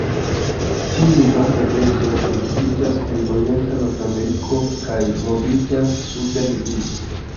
Tiu migranta birdo reproduktiĝas en orienta Nordameriko kaj moviĝas suden vintre.